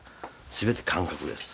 全て感覚です。